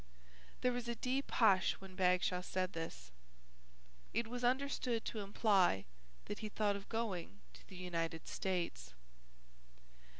There was a deep hush when Bagshaw said this. It was understood to imply that he thought of going to the United States.